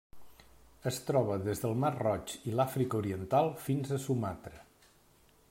Es troba des del Mar Roig i l'Àfrica Oriental fins a Sumatra.